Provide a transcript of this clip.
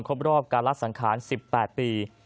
ครบรอบการรัฐสังขาร๑๘ปี